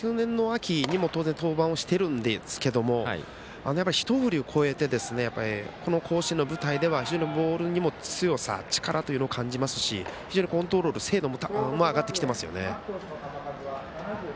今朝丸君、昨年の秋にも当然、登板をしているんですがひと冬を超えてこの甲子園では非常にボールの力強さというのも感じますし非常にコントロール精度も上がってきてますよね。